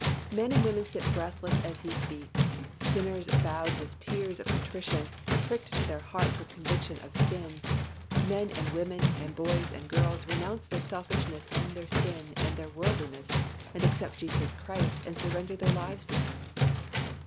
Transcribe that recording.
Men and women sit breathless as he speaks, sinners bowed with tears of contrition, pricked to their hearts with conviction of sin; men and women and boys and girls renounce their selfishness, and their sin and their worldliness and accept Jesus Christ and surrender their lives to Him.